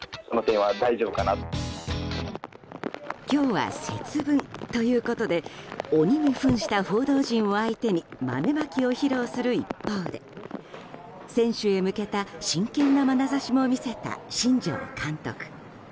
今日は、節分ということで鬼に扮した報道陣を相手に豆まきを披露する一方で選手へ向けた真剣なまなざしも見せた新庄監督。